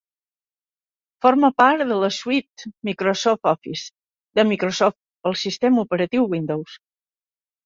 Forma part de la suite Microsoft Office, de Microsoft pel sistema operatiu Windows.